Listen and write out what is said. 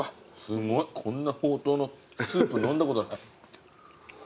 こんなほうとうのスープ飲んだことない。